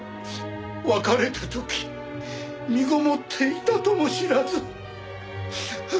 別れた時身ごもっていたとも知らず。